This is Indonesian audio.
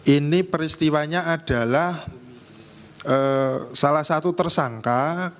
ini peristiwanya adalah salah satu tersangka